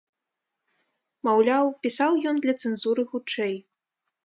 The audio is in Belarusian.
Маўляў, пісаў ён для цэнзуры хутчэй.